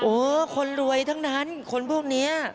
คนรวยทั้งนั้นคนพวกนี้